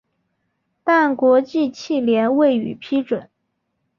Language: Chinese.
但国际汽联未予批准。